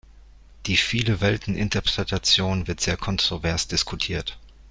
Die Viele-Welten-Interpretation wird sehr kontrovers diskutiert.